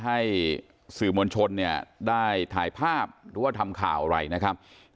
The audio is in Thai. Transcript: หรือว่าทำข่าวอะไรนะคะ